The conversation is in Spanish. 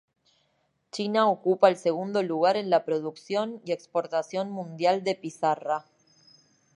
China ocupa el segundo lugar en la producción y exportación mundial de pizarra.